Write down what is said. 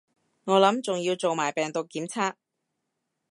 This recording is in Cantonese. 我諗仲要做埋病毒檢測